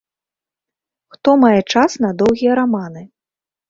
Хто мае час на доўгія раманы?